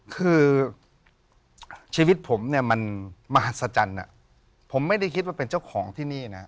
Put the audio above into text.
คือชีวิตผมเนี่ยมันมหัศจรรย์ผมไม่ได้คิดว่าเป็นเจ้าของที่นี่นะ